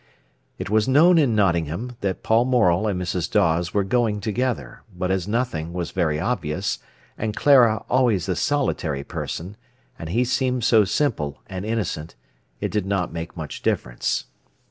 It was known in Nottingham that Paul Morel and Mrs. Dawes were going together, but as nothing was very obvious, and Clara always a solitary person, and he seemed so simple and innocent, it did not make much difference.